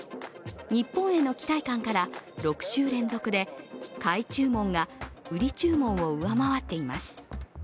日本への期待感から６週連続で買い注文が売り注文を上回っています。